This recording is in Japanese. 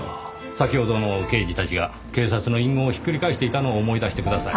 先ほどの刑事たちが警察の隠語をひっくり返していたのを思い出してください。